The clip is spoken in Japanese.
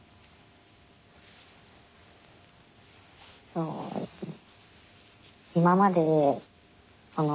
そうですね。